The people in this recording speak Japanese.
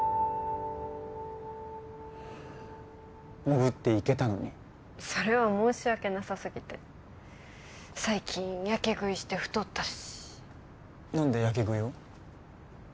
おぶって行けたのにそれは申し訳なさすぎて最近やけ食いして太ったし何でやけ食いを？